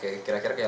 jadi tidak kepikiran